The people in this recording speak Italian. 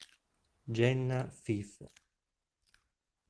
Jenna Fife